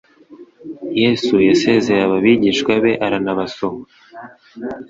Yesu yasezeye ababigishwa be aranabasoma